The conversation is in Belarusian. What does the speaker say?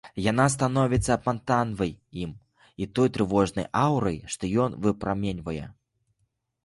Яна становіцца апантанай ім і той трывожнай аўрай, што ён выпраменьвае.